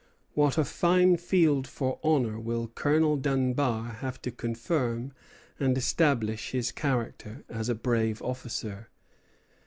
What a fine field for honor will Colonel Dunbar have to confirm and establish his character as a brave officer."